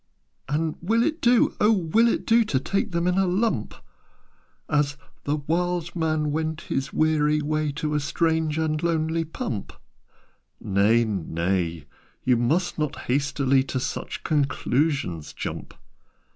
"And will it do, O will it do To take them in a lump As 'the wild man went his weary way To a strange and lonely pump'?" "Nay, nay! You must not hastily To such conclusions jump.